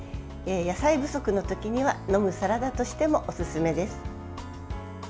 野菜不足の時には飲むサラダとしてもおすすめです。